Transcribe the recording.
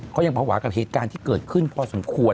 เขายังภาวะกับเหตุการณ์ที่เกิดขึ้นพอสมควร